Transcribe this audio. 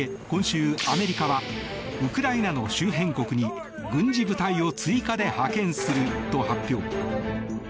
今週、アメリカはウクライナの周辺国に軍事部隊を追加で派遣すると発表。